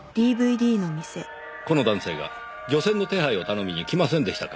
この男性が漁船の手配を頼みに来ませんでしたか？